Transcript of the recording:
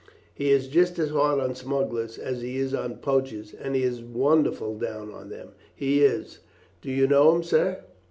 He is just as hard on smugglers as he is on poachers, and he is wonderful down on them, he is. Do you know him, sir?"